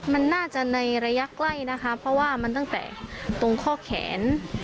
มันน่าจะในระยะใกล้นะคะเพราะว่ามันตั้งแต่ตรงข้อแขน